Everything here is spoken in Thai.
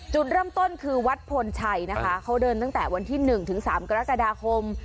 จุดเริ่มต้นคือวัดพลชัยนะคะเขาเดินตั้งแต่วันที่๑ถึง๓กรกฎาคม